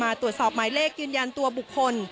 ตรวจสอบหมายเลขยืนยันตัวบุคคล